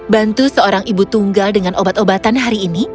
bantu seorang ibu tunggal dengan obat obatan hari ini